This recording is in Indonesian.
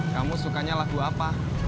kamu sukanya lagu apa